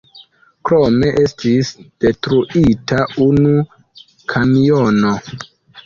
Krome estis detruita unu kamiono.